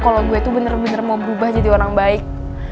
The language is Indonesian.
kalau gue itu bener bener mau berubah jadi orang baik